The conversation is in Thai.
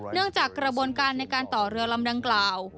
จากกระบวนการในการต่อเรือลำดังกล่าว